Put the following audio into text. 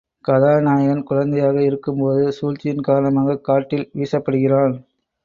கதாநாயகன் குழந்தையாக இருக்கும்போது சூழ்ச்சியின் காரணமாகக் காட்டில் வீசப்படுகிறான்.